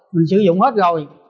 mình sử dụng hết rồi